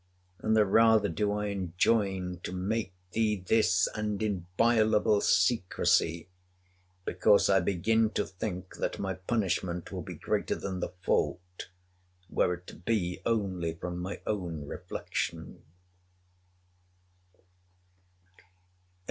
—And the rather do I enjoin to make thee this, and inviolable secrecy; because I begin to think that my punishment will be greater than the fault, were it to be only from my own reflection.